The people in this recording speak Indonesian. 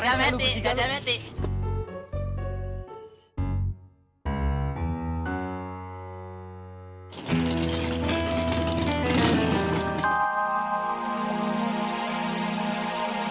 dadah meti dadah meti